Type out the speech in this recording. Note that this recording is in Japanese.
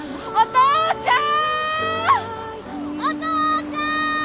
父ちゃん！